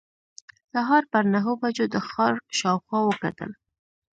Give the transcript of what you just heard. سهار پر نهو بجو د ښار شاوخوا وکتل.